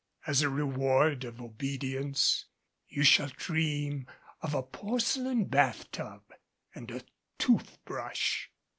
As a reward of obedience, you shall dream of a porcelain bath tub and a tooth brush."